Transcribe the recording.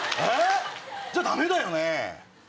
じゃダメだよね！